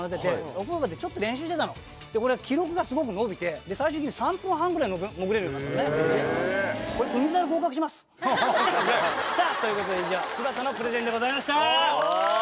お風呂でちょっと練習してたのこれ記録がすごく伸びて最終的に３分半ぐらい潜れるようになったのね。ということで柴田のプレゼンでございました。